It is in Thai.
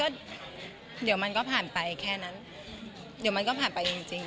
ก็เดี๋ยวมันก็ผ่านไปแค่นั้นเดี๋ยวมันก็ผ่านไปจริงจริง